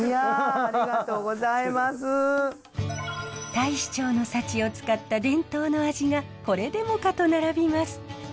太子町の幸を使った伝統の味がこれでもかと並びます。